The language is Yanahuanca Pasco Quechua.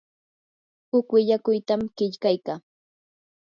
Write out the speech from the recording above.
huk willakuytam qillqaykaa.